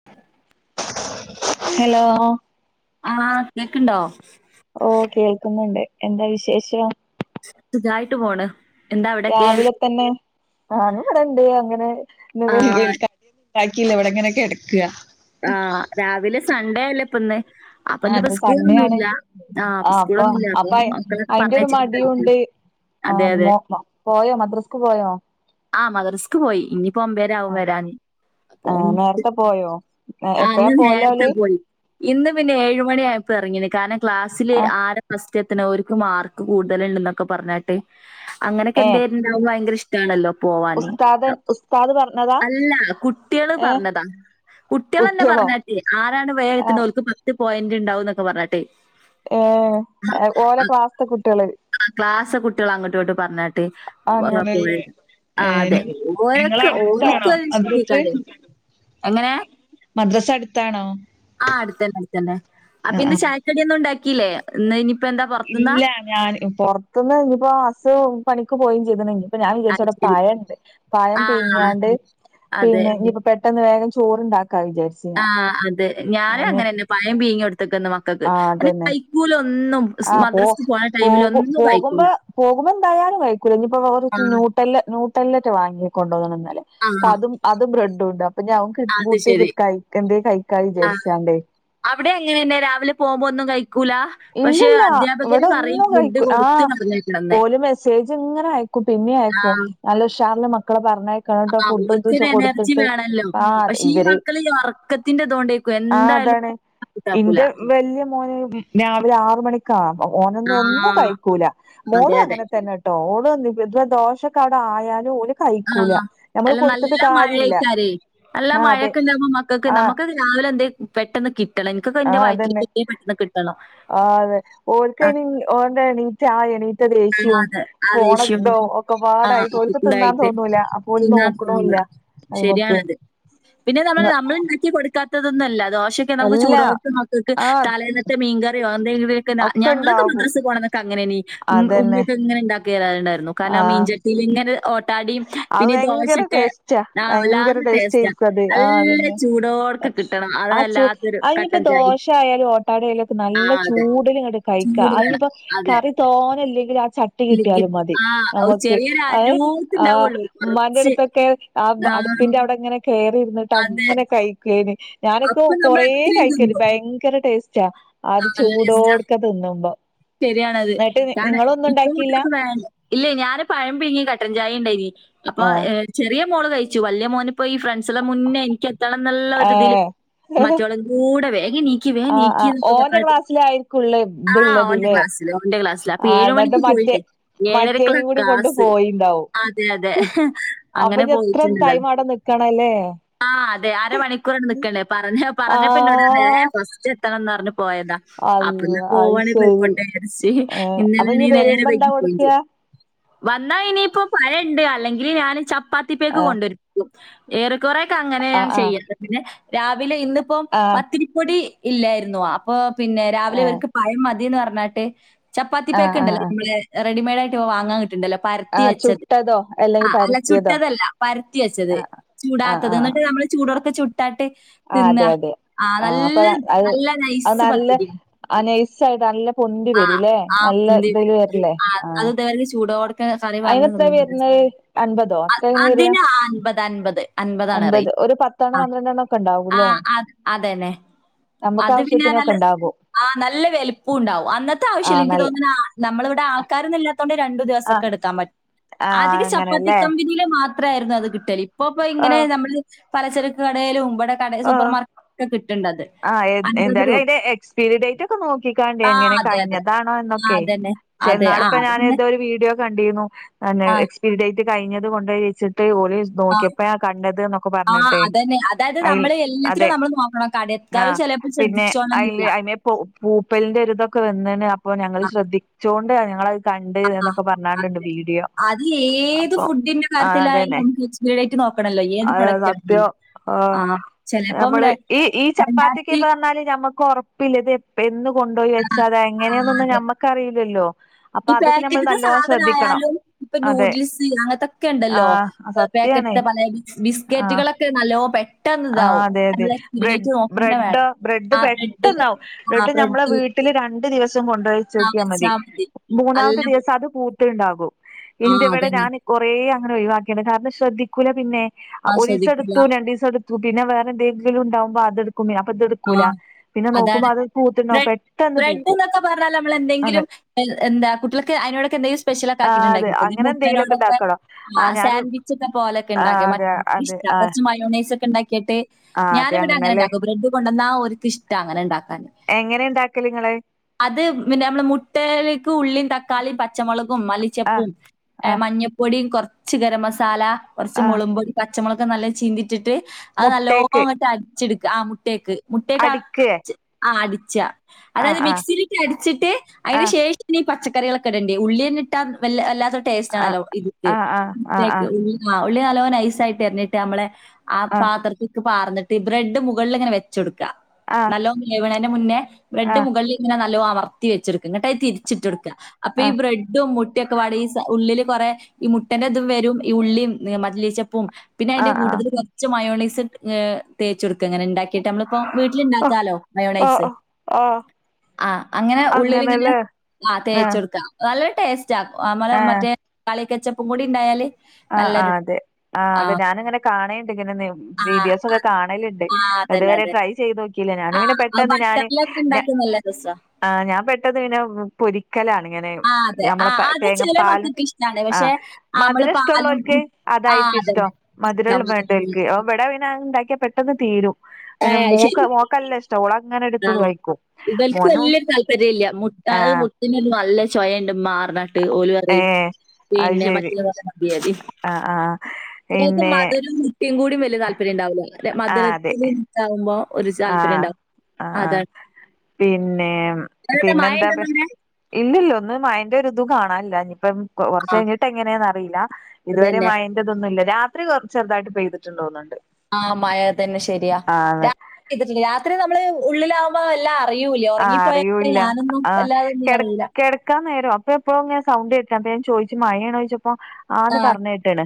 [unintelligible] Hello ആഹ് കേൾക്കണ്ടോ ഓ കേൾക്കുന്നുണ്ട് എന്താ വിശേഷം സുഖായിട്ട് പോണ് എന്താ അവിടൊക്കെ? രാവിലെ തന്നെ ഞാന് ഇവിടെണ്ട് അങ്ങനെ ഇന്ന് ആഹ് വിളിക്ക ബാക്കില്ല ഇവിടെങ്ങനൊക്കെ കെടക്ക ആഹ് രാവിലെ സൺണ്ടേയല്ലേ ഇപ്പൊന്ന് ആ ഇന്ന് സൺ‌ഡേ ആ അപ്പൊ സ്കൂളൊന്നുല്ല. അപ്പൊ മക്കളൊക്കെ അയിന്റെ ഒരു പറഞ്ഞയച്ചിട്ട് കെടക്കാ. മടിയുണ്ട് ആഹ് അതെ ഇന്ന് അതെ. മോ പോയോ മദ്രാസ്ക്ക് പോയോ ആഹ് മദ്രസ്ക് പോയി ഇനിയിപ്പോ ഒമ്പേരവും വരാന് അപ്പൊ നേർത്തെ പോയോ? ആഹ് എപ്പഴാ ഇന്ന് പോവല് നേര്ത്തെ ഓല് പോയി ഇന്ന് പിന്നെ ഏഴ് മണിയായപ്പോ ഇറങ്ങിന് കാരനംക്ലാസ്സില് ആ ആരഫസ് റ്റത്ത്ണെ ഓര്ക്ക് മാർക്ക് കൂട്തല്ണ്ട്ന്നൊക്കെ പറഞ്ഞേട്ട് അങ്ങനെക്കെ ഏ എന്തേരു ഭയങ്കര ഇഷ് ട്ടാണല്ലോ പോവാന് ഉസ്താദൻ ഉസ്താദ് പറഞ്ഞതാ അല്ല കുട്ടിയെള് ഏ പറഞ്ഞതാ. കുട്ടികളന്നെ കുട്ടികളോ പറഞ്ഞാട്ടെ ആരാണ് വേഗം ആ എത്തുന്നവർക്ക് പത്ത് പോയിന്റ് ഉണ്ടാവും എന്നൊക്കെ പറഞ്ഞണ്ട് ഏഹ് ഓലെ ക്ലാസ്ത്തെ കുട്ടികള് ആ ക്ലാസ് കുട്ടികൾ അങ്ങോട്ട് ഇങ്ങോട്ടും പറഞ്ഞാട്ട് അങ്ങനെല്ലേ പോയത് ആ ഏഹ് അതെ നിങ്ങളെ ഓരക്ക് അടുത്താണോ ഓലക്ക് മദ്രസ് [unintelligible] എങ്ങനെ മദ്രസ അടുത്താണോ ആഹ് അടുത്തണ്ടേ അടുത്തണ്ടേ ആ അടുത്തന്നെ അടുത്തന്നെ അപ്പൊ ആഹ് ഇന്ന് ആഹ് ചായക്കടിയൊന്നും ഉണ്ടാക്കില്ലേ ഇന്ന് ഇനിയിപ്പോ എന്താ പുറത്തുന്നാ ഇല്ല ഞാൻ പൊറത്തുന്ന് ഇനിയിപ്പോ അസ്സ് പണിക്ക് പോയിം ചെയ്ത്ണ്ല്ലെ ഞാൻ അത് വിചാരിച്ചവിടെ ശരി. പഴംണ്ട് പായം ആ പീങ്ങിയാണ്ട് അതെ. പിന്നെ ഇഞ്ഞിപ്പ പെട്ടെന്ന് വേഗം ചോറ്ണ്ടാക്കാ വിചാരിച്ച് ആ ഞാൻ അതെ ഞാന് ഓന് അങ്ങനെന്നെ പഴം പീങ്ങിയൊട്ത്ത്ക്ക്ണ് മക്കക്ക് [unintelligible] കൈക്കൂലൊന്നും. ആ പോ പോകു പോകുമ്പോ പോകുമ്പോ എന്തായാലും കയ്ക്കൂല ആ ഇഞ്ഞിപ്പോവേറൊചിന്നു ട്ടല്ല നൂട്ടല്ലേറ്റ വാങ്ങിക്കൊണ്ടന്ന്ണ് ന്നലെ. ആ പ്പതും അതും ബ്രെഡുണ്ട് അപ്പൊ അത് ശരി. [unintelligible] കൈക്കണ്ടെ ആഹ്. കൈക്കാവിചാരിച്ചാണ്ടേയ്. അവിടെ എങ്ങനെന്നെ രാവില പോവുംമ്പോ ഒന്നും കഴിക്കൂല? പക്ഷെ ഇല്ലില്ല, ഇവ്ട അധ്യാപകര് പറയും ഒന്നും ഫുഡ് കഴിക്കു ആ കൊടുത്ത് പറഞ്ഞയക്കണംന്ന്. ഓല് മെസ്സേജ്ങ്ങന അയ് ക്കും പിന്നിയിം അയക്കും ആഹ് നല്ല ഷാറ്ള്ള മക്കളെ പറഞ്ഞയ ഇകാട ആഹ് ഫുഡെത്തിച്ച് ഓൽക്കൊരു എനർജി കൊട്ത്തിട്ട് വേണല്ലോ. ആഹ് ദ് പക്ഷെ ഈ ഇവരേം മക്കള് ഈ ഒറക്കത്തിന്റെതോണ്ടേക്കും ആഹ് എന്തായാലും താണ് കൂട്ടാക്കൂല. ഇന്റെ വല്യയ മോനയും ഉ രാവില ആറ് മണിക്കാ ഓനൊന്നെന്നു ആഹ്. കഴിക്കൂല അതെ മോളും അതെ. അങ്ങനതന്നെ ട്ടൊ ഓള് വന്ന് പിന്നെ ദോശക്കവടായാല് ഓല് കഴിക്കൂല ആഹ്, നമ്മള് അല്ല കൊടുത്തിട്ട് നല്ല കാര്യല്ല മഴെയ്ക്കാരേ, നല്ല ആഹ് അതെ മഴക്ക്ണ്ടാവുമ്പോ മക്കക്ക് ആഹ് നമ്മക്കത് രാവില എന്തേ പെട്ടെന്ന് കിട്ടണം ഇന്ക്കൊക്കെ ന്റെ വയ അതന്നെ [unintelligible] [unintelligible] പെട്ടെന്ന് കിട്ടണം. ആഹ് അതെ, ആഹ് ഓല്ക്കയ്ന് ഓന്റെ എണീറ്റ ആ എണീറ്റ ദേഷ്യും അതെ. ആ പോണ ദേഷ്യം തൊ ആഹ് ക്കൊപ്പാടയ്റ്റ് ഓല്ക്ക് ത്ന്നാതൊ ഒക്കെക്കൂടായിട്ട് ങ്ങൂല തിന്നാൻ തോന്നൂല. അപ്പൊന്‌നോക്ക്ണൂല്ലാ അയ്മക്ക്. ക്കി കൊടുക്കാത്തതൊന്നല്ല ദോശ ക്ക് നമുക്ക് എല്ലാ ചൂടോടെത്ത്മക്കക്ക് ആ തലേന്നത്തെ മീൻങ്കറിയോ എന്തെങ്കിലുവെക്ന ഞങ്ങളൊക്കെ ഒക്കെണ്ടാകും മദ്രസ്പോണന്ന് ക്ക്ങ്ങനെനി ഉം ഉമ് അതന്നെ ഉപ്പ്യയങ്ങനെ ഇണ്ടാക്കേലേണ്ടേർന്നു കാരണം മീൻചട്ടയില് ഇങ്ങനെ ഒ അഅ് വയങ്കര ടേസ്റ്റാ ആഹ് വയങ്കര വല്ലാതൊരു ടേസ്റ്റാ. ടേസ്റ്റേര്ക്കു അത് ആഹ് നല്ല അതന്നെ. ചൂടോട്ക്കെ കിട്ടണം. അത് ആ ചൂ വല്ലാത്തൊരു അയ്നിപ്പോ കട്ടൻ ചായയും ദോശ ആയാലു ഓട്ടാടയാലൊക്കെ നല്ല ആഹ് അതെ. ചൂടിലിങ്ങട് കഴിക്ക, ചൂട് വേണം. അയ്നിപ്പോ അതെ. കറി തോനില്ലെങ്കില് ആ ചട്ടി കി ഇല്ലെങ്കിൽ ട്ടിയാലും മതി, ആഹ് ഞങ്ങക്ക് ചെറിയൊരു [unintelligible] ആഹ്, അരൂർത്തുണ്ടാവുള്ളൂ. കുറച്ച്. ഉമ്മാന്റെട്ത്തൊക്കെ ആബ ആഹ് അടുപ്പിന്റെവ്ടങ്ങനെ അതെ. കേറിരിന്നിട്ടങ്ങനെ കഴി കേനി ഞാനൊക്കെ അപ്പൊ കൊറേ നമ്മളെത്രയും തിന്നും. കഴിക്കല് ഭയങ്കര ടേസ്റ്റാ ആഹ് നല്ല ടേസ്റ്റാ. അത്ചൂടോട്ക്ക ത്ത്ന്നുമ്പോ. ശരിയാണത് [unintelligible] ഇപ്പ കുട്ടിയോക്ക് വേ ഇല്ലേ ഞാന് പഴം പീങ്ങി കട്ടൻചായണ്ടേനി അപ്പൊ ആ ഏ ചെറിയ മോള് കഴിച്ചു വല്ല്യയ മോനിപ്പോ ഈ ഫ്രസിലമുന്നേ എനിക്കത്തണംന്ന്ളള ഏ ഒരു തിൽ മറ്റൊള് കൂടെ വേഗം നീക്കി വേം ആ ആ നീക്കി ഓന്റെ [unintelligible] ക്ലാസ്സിലായിരിക്കുംള്ള ആ ഇത്ള്ളത് ല്ലേ ക്ലാസ്സില് ഓന്റെ ക്ലാസ്സില് അപ്പൊ ആഹ് ഏഴ് എന്നിട്ട് മണിക്ക് മറ്റേ പോയിട്ടേ, ഏഴരക്കുള്ള മറ്റേനും കൂടി കൊണ്ട് ക്ലാസ് പോയിണ്ടാവും അ അതെ അതെ അപ്പൊ അങ്ങനെ ഇനി എത്ര പോയിച്ചിണ്ടൽ ടൈം അവിടെ നിക്കണല്ലേ ആ അതെ അര മണിക്കൂർ നിക്കണ്ടേ പറഞ്ഞ പറഞ്ഞ പിന്നോട് വേ ആഹ് ഫസ്റ്റ് എത്തണംന്ന് പറഞ്ഞ് പോയതാ. അപ്പന്ന അള്ള അത് പോവാണെ ശരി പോയ്ക്കോട്ടെ വിജാര്ച്ച് ഏഹ് അപ്പൊ ഇനി ഇന്നലേണെ നേരെ വരുമ്പോ എന്താ വൈകിപോകിം കൊടുക്കുക ചെയ്യ വന്നാ ഇനിയിപ്പോ പഴണ്ട് അല്ലെങ്കില് ഞാൻ ചപ്പാത്തി പേക്ക് ആഹ് കൊണ്ടുവരും ഏറെ കൊറെക്കെ അങ്ങനെ ഞാൻ ആഹ് ആഹ് ചെയ്യത് പിന്നെ രാവിലെ ഇന്നിപ്പം ആഹ് പത്തിരിപ്പൊടി ഇല്ലേയ്ര്ന്നു ആ പ്പൊ പിന്നെ രാവിലെ ഏഹ് ഇവർക്ക് പഴം മതീന്ന് പറഞ്ഞാട്ട് ചപ്പാത്തി ആഹ് ആഹ് പേക്ക്ണ്ടല്ലോ ആഹ് മ്മളെ. റെഡിമെയ്ഡ് ആയിട്ട് വാങ്ങാൻ കിട്ട്ണ്ടല്ലോ പര്ത്തി ആഹ് വെച്ചത്. ചുട്ടതോ ആ അല്ലെങ്കിൽ അല്ല പരത്തിയതോ ചുട്ടതല്ല പരത്തി വെച്ചത് ആഹ് ആഹ് ചൂടാത്തത് ആഹ് എന്നിട്ട് നമ്മള് ചൂടൊട്ക്കെ ചു ട്ടാട്ട് ആഹ് തിന്ന അതെ അതെ ആ ആഹ് അപ്പൊ നല്ല നല്ല നൈസ് പത്തിരി ആ നൈസായിട്ട് നല്ല പൊന്തി വരൂല്ലേ നല്ല ഇതിൽ വരല്ലേ ആഹ് [unintelligible] ചൂടൊട്ക്കഖ അയ്നെത്രേ വെര്ണയ് അൻപ തോത്തൽ വര്യാ അതിന് അൻപത് അൻപത് അൻപതാണ് അൻപത് റേറ്റ് ഒരു പത്തെണ്ണം പന്ത്രണ്ടെണ്ണ ഒക്കെണ്ടാവൂല്ലേ. അതെനെ. അത് പിന്നെ നല്ല ഉണ്ടാകും ആ നല്ല വെലുപ്പൂണ്ടാവും, അന്നത്തെ ആവശില്ല ആഹ് എനിക്ക് നല്ല തോന്നുനാ നമ്മളിവ്ടെ ആൾക്കാരൊന്നില്ലാത്തോണ്ട് രണ്ടു ദിവസൊക്കെ ആഹ് എടുക്കാൻ പറ്റും ആഹ് ആധിക ചപ്പാത്തി അങ്ങനെല്ലേ കമ്പിനീല് മാത്രേര്ന്നു അത് കിട്ടല് ഇപ്പപ്പോ ഇങ്ങനെ ആഹ് നമ്മള് പലചരക്ക് കടയിലും വടെ. ആഹ് ആഹ് എൻ അൻപത് എന്തായാലും രൂപ അയിന്റെ എക്സ്പിരി ഡേറ്റൊക്കെ നോക് ക്കിക്കാണ്ടി ആ എങ്ങനെ അതെ അതെ കഴിഞ്ഞതാണോ ആ എന്നൊക്കെ അതന്നെ ചെ അതെ എന്നാള ആ ഇപ്പ അത് പിന്നെ ഞാനെതോ ഒരു വീഡിയോ കണ്ടിരുന്നു ആ എക്സ്പിരിഡൈറ്റ് കഴിഞ്ഞത് കൊണ്ട് വച്ചിട്ട് ഓല് നോക്കിയപ്പ കണ്ടത് എന്നൊക്കെ ആ പറഞ്ഞിട്ടെ അതന്നെ അതായത് അയില് നമ്മള് അതെ എല്ലാത്തിലും നമ്മൾ നോക്കണം കടെയെക്കാലും ആഹ് ചിലപ്പോൾ പിന്നെ ശ്രദ്ധിച്ചോണം എന്നില്ല അയില് അയിമേ പൂപ്പലിന്റെ ഒരിതൊക്കെ വന്നണ് അപ്പൊ ഞങ്ങള് ശ്രദ്ധിച്ചോണ്ട് ഞങ്ങളയ് കണ്ട് എന്നൊക്കെ പറഞ്ഞാണ്ടണ്ട് അതെ വീഡിയോ അത് ഏത് അപ്പൊ ഫുഡിന്റെ ആ കാര്യത്തിലായാലും അതെന്നെ നമുക്ക് എക്സ്പയറി ഡേറ്റ് നോക്കണല്ലോ ഏത് ആ അതെ പ്രൊഡക്റ്റ് സത്യം ആണെങ്കിലും. ആഹ് ആ ചെലപ്പം ര നമ്മള് ഈ ഈ ചപ്പാത്തിയൊക്കെ രണ്ടായിരത്തി പറഞ്ഞാല് നമ്മക്ക് ഉറപ്പില്ലത് ഇത് ഇന്ന് കൊണ്ടുപോയി വെച്ചതാ ആ, എങ്ങനെയന്നൊന്നും നമ്മക്കറിയില്ലല്ലോ ഈ പേക്കറ്റത്തെ സാധന ആയാലും ഇപ്പൊ അതെ നന്യൂഡിൽസ് അങ്ങനത്തൊക്കെ ആ ഉണ്ടല്ലോ സത്യാണ് പേക്കറ്റ്ത്തെ പലെ ബിസ്ക്കറ്റുകളൊക്കെ നല്ലോ പെ ആ അതെ അതെ ബ്ര ബ്രെഡോ വേണം. ബ്രെഡ് ആ ബ്രെഡ് പെട്ടെന്നാാവും ആ ബ്രഡ് നമ്മളെ ബ്രെഡ് വീട്ടിൽ ട്ടില്‌ രണ്ടു ദിവസം ആ കൊണ്ടോയിച്ചോക്കിയാ മതി വെച്ചാ നല്ല മൂന്നാമത്തെ ദിവസം അത് പൂത്ത്ണ്ടാവും ആ ഇന്റെവിടെ അതന്നെ. ഞാൻ കൊറേഅങ്ങനെ ഒഴിവാക്കിയണ്ട് കാരണം ശ്രദ്ധിക്കൂല പിന്നെ ആ ഒരീസം ശ്രദ്ധിക്കില്ല. എടുത്തു രണ്ടീസം എടുത്തു പിന്നെ വേറെ എന്തെങ്കിലും ഉണ്ടകുമ്പോ അതെടു ക്കും അപ്പൊ ഇത് എടുക്കൂല ആ പിന്നെ അതാണ്. നോക്കുമ്പോ അത് പൂത്തിണ്ടാവും ബ്രെഡ് പെട്ടന്ന് ബ്രെഡ് പൂക്കും എന്നൊക്കെ പറഞ്ഞാൽ നമ്മൾ അതെ എന്തെങ്കിലും എന്താ കുട്ടികൾക്ക് അതിനോടോക്കെ എന്തെങ്കിലും സ്പെഷ്യൽ ഒക്കെ ആഹ് അതെ ആക്കിയിട്ടുണ്ടാക്കിയിട്ട അങ്ങനെ എന്തെങ്കിലുമൊക്കെ മുട്ടനോടൊക്കെ ഉണ്ടാക്കണം ആ ആഹ് ഞാന് സാൻവിച്ച് ച്ച്ക്കെ പോലൊക്കെ ആഹ് ഉണ്ടാക്കിയ മ അതെ അതെ ഇഷ്ട ആഹ് കുറച്ച് മയോണൈസ് ഒക്കെ ഉണ്ടാക്കിയിട്ട് ആഹ് അതെ ഞാനിവിടെ അങ്ങനെ അങ്ങനെല്ലേ ഉണ്ടാക്കും ബ്രെഡ് കൊണ്ടുവന്നാ ഓരുക്ക് ഇഷ്ട അങ്ങനിണ്ടാക്കാൻ എങ്ങനെ ഉണ്ടാക്കല് നിങ്ങള് അത് പിന്നെ നമ്മള് മുട്ടയിലേക്ക് ഉള്ളിയും തക് ക്കാളി പച്ചമുളകും ആഹ് മല്ലിച്ചെപ്പും ആഹ് മഞ്ഞൾപ്പൊടിയും കുറച്ച് ഗരം മസാല കുറച്ച് ആഹ് മുളക് പൊടിയും പച്ചമുളക് നല്ല ചീന്തിച്ചിട്ട് അത് നല്ലോ മുട്ടേക്ക് അങ്ങോട്ട് അരച്ചെടുക്കുക ആഹ് മുട്ടക്ക് മുട്ടേക്ക അടിക്കേ ആ അടിച്ച ആ അതായത് ആ മിക്സിയിലിട്ട് അടിച്ചിട്ട് ആ അതിന് ശേഷം ഈ പച്ചക്കറികളൊക്കെ ഇടണ്ടി ഉള്ളി തന്നെ ഇട്ടാൽ വല്ലാത്തൊരു ടേസ്റ്റ് ആ ആണല്ലോ ഇത് ആ ആ ആ ആ [unintelligible] ആഹ് ഉള്ളി നല്ലോ നൈസായിട്ട് അറിഞ്ഞിട്ട് നമ്മളെ ആ പാത്രത്തിലേക്ക് പകർന്നിട്ട് ബ്രെഡ് മുകളിൽ ഇങ്ങനെ വെ ച്ചൊടുക്ക ആഹ് [unintelligible] മുന്നേ ബ്രെഡ് മുകളിൽ ഇങ്ങനെ നല്ലോ അമർത്തി വെച്ചോടുക്ക എന്നിട്ടത് തിരി ച്ചിട്ട് കൊടുക്കുക അപ്പൊ ആ ഈ ബ്രെഡും മു ട്ടയൊക്കെ വാടി ഈ ഉള്ളില് കുറെ ഈ മുട്ടന്റെ ഇതും വരും ഈ ഉള്ളിയും മല്ലിച്ചെപ്പും പിന്നെ ആ അതിൻ്റെ ആ കൂട്ടത്തിൽ കുറച്ച് മയോണൈസും തേച്ചൊടുക്കുക അങ്ങനെ ഉണ്ടാക്കിയിട്ട് നമ്മള് ഇപ്പൊ വീട്ടില് ഓ ഉണ്ടാക്കാലോ ഓ മയോണൈസ് ഓ ഓ ആഹ് അങ്ങനെ ഉള്ളിലിങ്ങനെ അങ്ങനെല്ലേ ആ തേച്ചൊടുക്കാം നല്ല ടേസ്റ്റ് ആ നമ്മളെ ആ മറ്റേ കളിക്കച്ചെപ്പും കൂടി ഉണ്ടായാല് ആഹ് ആഹ് അതെ ആഹ് അതെ ഞാനിങ്ങനെ കാണെണ്ട് ഇങ്ങനെ ആഹ് വീഡിയോസൊക്കെ അതെ. കാണലുണ്ട് ആഹ് അതന്നെ ഇതുവരെ അതെ. ട്രൈ ചെയ്ത് നോക്കിയില്ല ഞാനും പിന്നെ ആഹ് അത് പെട്ടെന്ന് ഞാന് ബട്ടറിലൊക്കെ ഞ ഇണ്ടാക്കിയാ നല്ല രസാ. ആഹ് ഞാൻ പെട്ടെന്ന് പിന്നെ പൊരി ക്കലാണ് ഇങ്ങനെ ആഹ് അതെ. നമ്മളെ ആഹ് അത് ചില തേങ്ങപ്പാലും മക്കൾക്ക് ഇഷ്ടാണ്. ആഹ് പക്ഷെ ആഹ് നമ്മള് മധുരഷ് പാലും ട്ടൊള്ളോർക്ക് ആഹ് അതായിരിക്കും അതന്നെ. ഇഷ്ടം മധുരം ഏഹ് വേണ്ടോൽക്ക് ഇവിടപിന്ന ഉണ്ടാക്കിയാ പെട്ടെന്ന് തീരും പിന്നെ അത് മോക്ക് ശരി. മോക്കല്ല ഇഷ്ടം ഓളങ്ങനെ എടുത്തത് ആഹ്. കഴിക്കും ഇവൽക്ക് മോനും ആഹ് ഇതിനൊരു നല്ല ചൊയയുണ്ട് മ്മാ റിഞ്ഞിട്ട് ഏഹ് [unintelligible] അത് പിന്ന ശരി ആഹ് ആഹ് [unintelligible] പിന്നെ മധുരവെന്ന് എനിക്കും കൂടി വലിയ താല്പര്യം ഉണ്ടാവൂല ആഹ് അതെ മധുരത്തിന് ഇതാകുമ്പോ ഒരു താല്പര്യം ആഹ് ഉണ്ടാവും ആഹ് ആഹ് അതാണ് പിന്നെ അവിടെ മഴ പിന്നെന്താ ഉണ്ടോന്ന് അവിടെ? ഇല്ല ഇല്ല ഒന്ന് മയേന്റെ ഒരിതും കാണാനില്ല ഇനിയിപ്പം കുറച്ച് ആഹ് കഴിഞ്ഞിട്ട് എങ്ങനെയെന്നറിയില്ല ഇതുവരെ അതന്നെ. മയെ ഇതൊന്നും ഇല്ല രാത്രി കൊർച്ച് ചെറുതായിട്ട് പെയ്തിട്ട്ണ്ട് തോന്നുന്നുണ്ട് ആഹ് മഴ തന്നെ ശരിയാ രാത്രി പെയ്തിട്ട രാത്രി നമ്മള് ഉള്ളിലാകുമ്പോ അല്ല ആഹ് അറിയൂല്ല ആ വല്ലാതൊന്നും കെട് അറിയില്ല. കിടക്കാൻ നേരാ അപ്പ എപ്പോ ഞാൻ സൗണ്ടേട്ട അപ്പ ഞാൻ ചോദിച്ചു മഴയാണ് ചോയ്ച്ചപ്പോ ആന്ന് ആഹ് പറഞ്ഞേട്ട്ണ്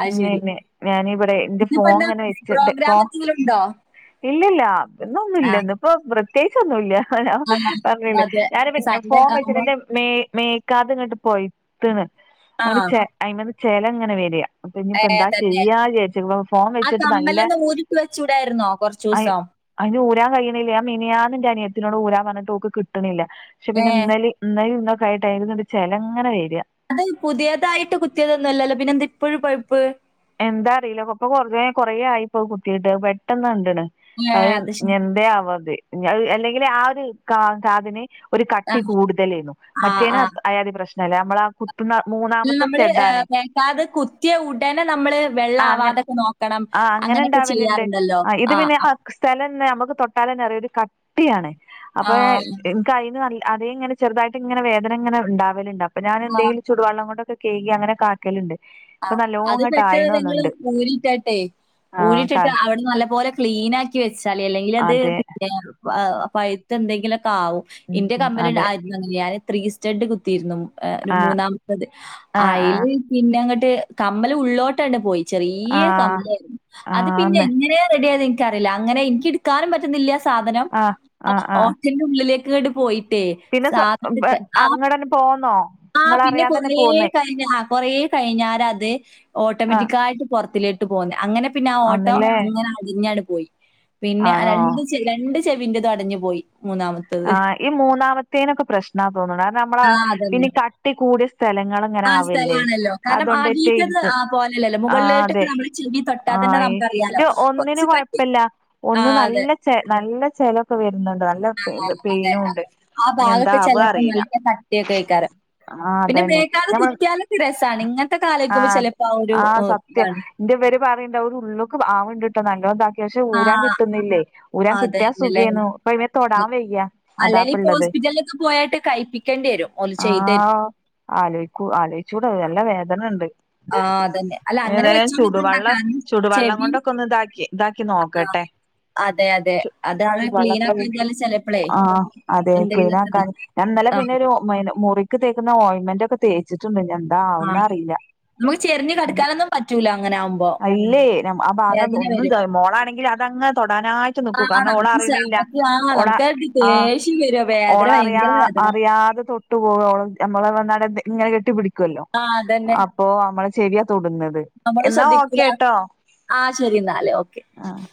അത് ശരി. ഇല്ലെല്ലെ ഞാനിവിടെ എന്റെ ഇന്നിപ്പോ ഫോൺ എന്താ ഇങ്ങനെ പ്രോഗ്രാം വെച്ചെട്ടിപ്പോ എന്തെങ്കിലും ഉണ്ടോ? ഇല്ലില്ല ഇന്നൊന്നും ഇല്ല ആഹ് ഇന്നിപ്പൊ പ്രത്യേകിച്ചൊന്നുല്ല ആ ആഹ് പറഞ്ഞില്ലേ അതെ. ഞാന് പിന്നെ സൺഡേ ഫോൺ ഒക്കെ ആവുമ്പോ വെച്ചിട്ടെന്റെ മേ മേക്കാതങ്ങട്ട് പോയിത്ത്ന്ന് ആഹ് അതിനകത്ത്ന്ന് ചെലങ്ങനെ വെര അപ്പൊ ഏഹ് ഇനിപ്പോന്താ തന്നെ ചെയ്യാവിചാരിച്ചക്ക്ണ് ഫോൺ ആ വെച്ചിട്ട് നല്ല കമ്മലൊന്ന് ഊരിക്ക് വെച്ചൂടായിരുന്നോ കുറച്ചു അയ് ദിവസം അയ്ന് ഊരാൻ കഴിയണില്ല ഞാൻ മിനിഞ്ഞാന്ന് എന്റെ അനിയത്തിനോട് ഊരാൻ പറഞ്ഞിട്ട് ഓക്ക് കിട്ടണില്ല പക്ഷെ ഏ പിന്നെ ഇന്നലെ ഇന്നലെ ഇന്നൊക്കെ ആയ്ട്ട് അയിൽനിന്നു ചെലം ഇങ്ങനെ വെരാ അത് പുതിയതായിട്ട് കുത്തിയതൊന്നുംല്ലല്ലോ പിന്നെ എന്താ ഇപ്പോഴും പഴുപ്പ് എന്താന്നറിയില്ല അപ്പ കൊറേ കൊറേ ആയി പ്പൊ കുത്തിട്ട് പെട്ടന്ന് കണ്ടണ് ഏ അത് ശരി [unintelligible] അല്ലങ്കിൽ ആ ഒരു [unintelligible] ഒരു ആ കട്ടി കൂടുതലയിന്നു ആ ആ മറ്റേന് ആയാതി പ്രശ്നല്ല നമ്മള കുത്തുന്ന മൂന്നാമത്തെ സ്റ്റെഡ് ആണ്. കാത് കുത്തിയ ഉടനെ നമ്മള് ആ അങ്ങനെ വെള്ളാവാതൊക്കെ നോക്കണം ആ അങ്ങനെ അങ്ങനെയൊക്കെ ഉണ്ടാവലുണ്ട് ചെയ്യാറുണ്ടല്ലോ ഇത് ആ പിന്നെ സ്ഥലം നമുക്ക് തൊട്ടാലന്നെ അറിയ ഒരു കട്ടിയാണ് അപ്പ ആ കയ്ന നൽ ആദ്യെങ്ങെനെ ചെറുതായിട്ടങ്ങനെ വേദനങ്ങനെ ഇണ്ടാവല്ണ്ട്. അപ്പ ആ, ഞാനന്തെയ്യും ചുടുവെള്ളം കൊണ്ടൊക്കെ കയ്കി അങ്ങനെക്കാക്കല്ണ്ട്. ഇപ്പൊ നല്ലോങ്ങ റ്റ് നിങ്ങൾ ഊരിട്ടാട്ടെ ആ ക ഊരിട്ടിട്ട് അവിടെ നല്ല പോലെ ക്ലീനാ ക്കി വെച്ചാളി. അല്ലെങ്കിലത് അതെ പിന്നെ പ പഴ്ത്ത് എന്തെങ്കിലൊക്കെ ആവും. ഉം ഇന്റെ ഉം, കമ്മല് അതെ [unintelligible] [unintelligible] ഞാന് ത്രീ സ്റ്റഡ് കുത്തിയിരുന്നു. ഒരു ആ മൂന്നാമത്തത് ആ ആ അയ്ൽ പിന്നെങ്ങ ട്ട് കമ്മല് ഉള്ളോട്ടണ്ട് പോയി. ആ ചെറിയ കമ്മല് അത് പിന്നെ ആന്ന് എങ്ങനെ റെഡിയായത് ഇ ൻക്കറീല്ല. അങ്ങനെ ഇൻക്ക് ഇട്ക്കാനും പറ്റുന്നില്ല സാധനം. ആ ആ ആ [unintelligible] ന്റെ ഉള്ളിലേക്ക് ങ്ങട് പോയി ട്ടെ പിന്നെ സ്വ സാധൻത്തിൻ്റെ ആഹ് ഇങ്ങടന്നെ പോന്നോ ആഹ് പിന്നെ നിങ്ങളറിയാതെ തന്നെ കുറേ പോന്ന് കഴിഞ്ഞ് ആഹ് കൊറേ കഴിഞ്ഞാരെ അ ത് ആ ഓട്ടോമാറ്റിക്കായ്ട്ട് പുറത്തിലേട്ട് പോന്ന്. അങ്ങനെ പിന്നെ ആ ഓട്ടോ ആന്നില്ലേ ഇങ്ങന അടിഞ്ഞാണ്ട് പോയി. പിന്നെ ആണോ രണ്ട്ചെ രണ്ട് ചെവിൻറതും അടിഞ്ഞു പോയി മൂന്നാമ ആ ഈ മൂന്നാമത്തേനൊക്കെ പ്രശ്നാ തോന്നുണ് അത് നമ്മള ആ അതന്നെ. പിന്നെ കട്ടി കൂടിയ സ്ഥലങ്ങൾ ആ ങ്ങനാവല്ലേ സ്ഥലാണല്ലോ. അ കാരണം ആദ്യത്തേത് അതോണ്ടറ്റായ്ര്ക്കും ആ പോലെയല്ലല്ലോ. ആ മുകളിലോട്ടൊക്കെ അതെ നമ്മള് ചെവി തൊട്ടാ ആ തന്നെ നമുക്കറിയാലോ. ഒന്നിനു കൊറച്ച് കൊയ് കട്ടി പ്പല്ല. ആ ഒന്ന് അതെ നല്ല ച നല്ല ചലൊക്കെ വരുന്നുണ്ട് നല്ല അതെ. പെയിനുണ്ട്. ആ ഇനിന്താ ഭാഗൊക്കെ ആവാ ചെലപ്പം അറിയില്ല. നല്ല കട്ടിയൊക്കെ ആയിക്കാരം. ആഹ് പിന്നെ അതന്നെ മേക്കാതെ ഞമ്മൾ കുത്തിയാലൊക്കെ രസാണ്. ഇങ്ങനത്തെ കാലായിക്കുമ്പോ ആഹ് ചെലപ്പോ ആ ഒരു ആഹ് ഏഹ് സത്യം, ഇതാണ്. ന്റെവര് പറയ്ണ്ട ഒരു ഉള്ളൊക്ക് ആവണ്ട്ട്ടോ നല്ലോതാക്ക പക്ഷെ ആ ഊരാൻ കിട്ടുന്നില്ലേ. ഊരാൻ കിട്ടിയാ സുഖായ്നു. ഇപ്പൊ അയ്‌മെ തൊടാ അല്ലെലിപ്പ ഹോസ്പിറ്റലിലൊക്കെ പോയട്ട് കയ്പ്പിക്കേണ്ടി വരും ഓല് ചെയ്ത് തരും ആ ആലോയ്ക്കൂ ആലോയ്ച്ചൂടാ നല്ല വേദനണ്ട്. ആ അതന്നെ. അല്ല അങ്ങനെ ഏതായും വെച്ചോണ്ടിരിക്കണ്ട. ചുടുവെള്ളം കാരണം ചുടുവെള്ളം ചെവി കൊണ്ടൊക്കെ ഒന്ന് താക്കി ഇതാക്കി നോക്കട്ടെ അതെ അതെ ചു അതാണ് ചുടുവെള്ളൊക്കെ ക്ലീനാക്കിഞ്ഞാൽ ചിലപ്പള് ആഹ് അതെ ക്ലീൻ ആക്കാൻ ഞാൻ ഇന്നലെ ആ പിന്നെ ഒരു മിൻ മുറി ക്ക് തേക്കുന്ന ഓയിന്മെന്റ് ഒക്കെ തേച്ചിട്ടുണ്ട്ഇനി ആ എന്താവാന്ന് അറിയില്ല. നമുക്ക് ചെരിഞ്ഞ് കടക്കാനൊന്നും പറ്റൂല അങ്ങനെ ആവുമ്പോ അല്ലേ ആ ഭാഗം വേദന ഒന്നും വരും മോളാണെങ്കിൽ അതങ്ങ തൊടാനായിട്ട് ആ നിക്കൂ കാരണം നമുക്ക് ശ- ഓളറിയണില്ല. നമുക്ക് ആ ഓള നമുക്ക് അത് ആഹ് ദേഷ്യം വരും ഓള വേദന അറിയ ഭയങ്കര വേദന അറിയാതെ തൊട്ടു ട്ട്പോ നമ്മള വനാണ്ട് ങ്ങനെ കെട്ടി പിടി ല്ലോ. ആ അതന്നെ അപ്പൊ നമ്മള് ചെവിയാ തൊടുന്നത്. എന്നാ ഓക്കെ ട്ടോ ആഹ് ശരി ന്നാല്. ഓക്കെ. ആഹ്